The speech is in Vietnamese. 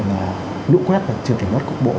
là lũ quét trượt trở mất cục bộ